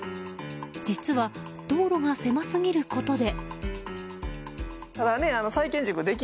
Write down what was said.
実は道路が狭すぎることで。